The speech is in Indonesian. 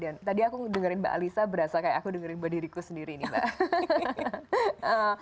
dan tadi aku dengerin mbak alisa berasa kayak aku dengerin badiriku sendiri nih mbak